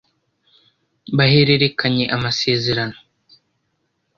bahererekanya amasezerano